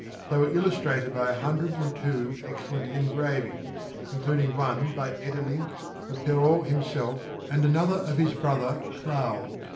They were illustrated by a hundred and two excellent engravings, including one, by Edelinck, of Perrault himself and another of his brother Claude.